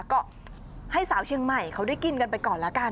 ก็ให้สาวเชียงใหม่เขาได้กินกันไปก่อนแล้วกัน